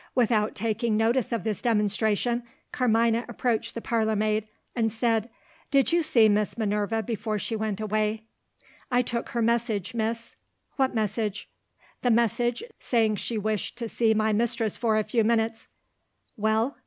Without taking notice of this demonstration, Carmina approached the parlour maid, and said, "Did you see Miss Minerva before she went away?" "I took her message, Miss." "What message?" "The message, saying she wished to see my mistress for a few minutes." "Well?"